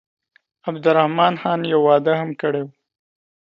عبدالرحمن خان یو واده هم کړی وو.